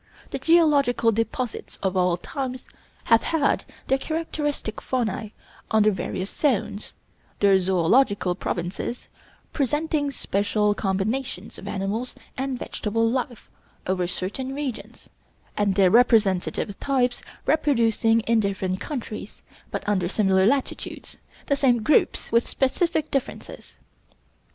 The geological deposits of all times have had their characteristic faunae under various zones, their zoölogical provinces presenting special combinations of animal and vegetable life over certain regions, and their representative types reproducing in different countries, but under similar latitudes, the same groups with specific differences.